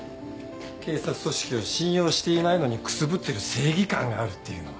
警察組織を信用していないのにくすぶってる正義感があるっていうのは。